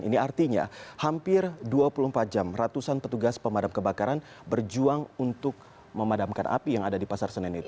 ini artinya hampir dua puluh empat jam ratusan petugas pemadam kebakaran berjuang untuk memadamkan api yang ada di pasar senen itu